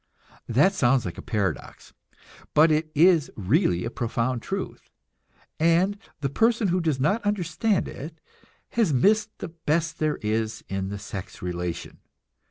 That sounds like a paradox, but it is really a profound truth, and the person who does not understand it has missed the best there is in the sex relation.